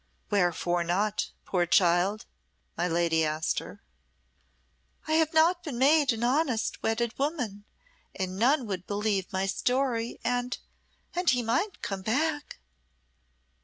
"Wherefore not, poor child?" my lady asked her. "I have not been made an honest, wedded woman, and none would believe my story, and and he might come back."